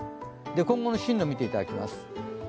今後の進路を見ていただきます。